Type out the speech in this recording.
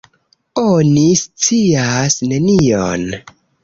Oni scias nenion.